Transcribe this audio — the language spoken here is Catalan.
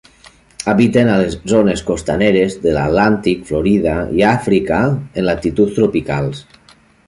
Habiten a les zones costaneres de l'Atlàntic, Florida i a Àfrica en latituds tropicals.